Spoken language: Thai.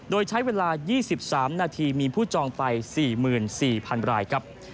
โดยใช้เวลา๒๓นาทีมีผู้จองไป๔๔๐๐๐รายครับ